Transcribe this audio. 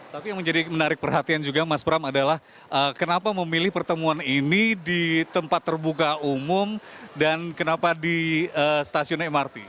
tapi yang menjadi menarik perhatian juga mas pram adalah kenapa memilih pertemuan ini di tempat terbuka umum dan kenapa di stasiun mrt